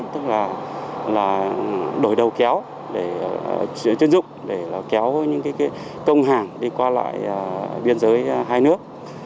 tức là đổi đầu kéo chuyển dụng kéo công hàng đi qua lại biên giới hai nước